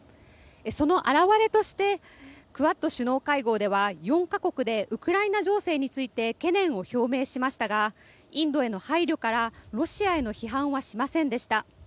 その表れとしてクアッド首脳会合では４か国でウクライナ情勢について懸念を表明しましたがインドへの配慮からロシアへの批判はしませんでした。